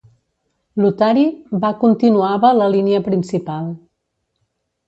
Lotari va continuava la línia principal.